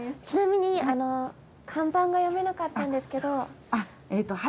ちなみに看板が読めなかったんですけど。